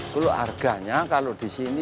kalau harganya kalau di sini